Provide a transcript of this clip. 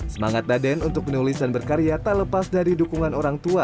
semangat daden untuk menulis dan berkarya tak lepas dari dukungan orang tua